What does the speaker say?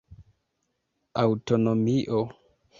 aŭtonomio